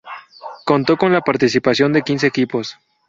Contó con la participación de quince equipos.